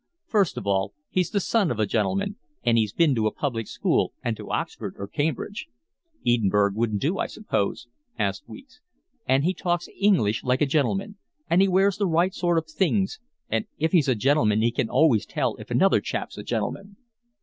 "First of all he's the son of a gentleman, and he's been to a public school, and to Oxford or Cambridge." "Edinburgh wouldn't do, I suppose?" asked Weeks. "And he talks English like a gentleman, and he wears the right sort of things, and if he's a gentleman he can always tell if another chap's a gentleman."